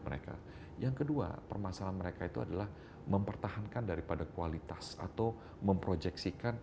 mereka yang kedua permasalahan mereka itu adalah mempertahankan daripada kualitas atau memproyeksikan